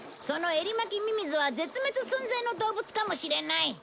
そのエリマキミミズは絶滅寸前の動物かもしれない。